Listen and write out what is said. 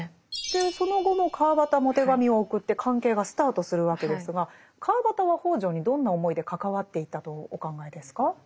その後も川端も手紙を送って関係がスタートするわけですが川端は北條にどんな思いで関わっていったとお考えですか？